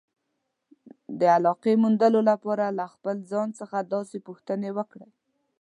د علاقې موندلو لپاره له خپل ځان څخه داسې پوښتنې وکړئ.